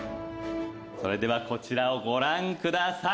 それではこちらをご覧ください。